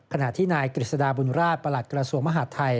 ขณะที่นายกฤษฎาบุญราชประหลัดกระทรวงมหาดไทย